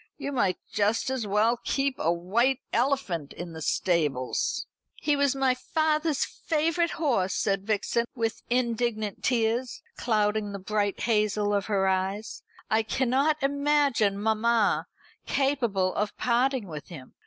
You might just as well keep a white elephant in the stables." "He was my father's favourite horse," said Vixen, with indignant tears clouding the bright hazel of her eyes; "I cannot imagine mamma capable of parting with him.